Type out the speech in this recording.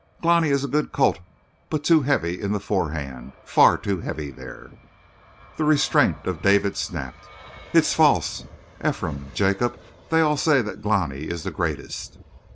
"Glani is a good colt, but too heavy in the forehand. Far too heavy there." The restraint of David snapped. "It is false! Ephraim, Jacob, they all say that Glani is the greatest."